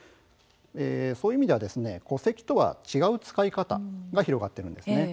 そういう意味では戸籍とは違う使い方が広がっているんです。